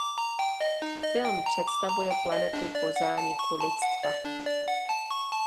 Film představuje planetu po zániku lidstva.